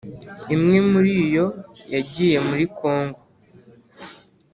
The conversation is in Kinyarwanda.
imwe muri yo yagiye muri Congo